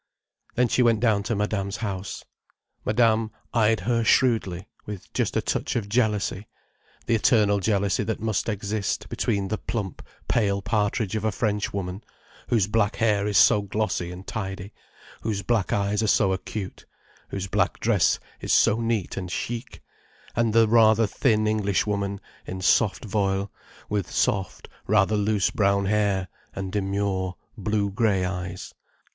Then she went down to Madame's house. Madame eyed her shrewdly, with just a touch of jealousy: the eternal jealousy that must exist between the plump, pale partridge of a Frenchwoman, whose black hair is so glossy and tidy, whose black eyes are so acute, whose black dress is so neat and chic, and the rather thin Englishwoman in soft voile, with soft, rather loose brown hair and demure, blue grey eyes.